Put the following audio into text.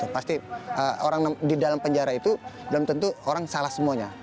pasti orang di dalam penjara itu belum tentu orang salah semuanya